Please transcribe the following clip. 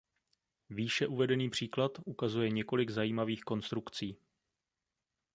Výše uvedený příklad ukazuje několik zajímavých konstrukcí.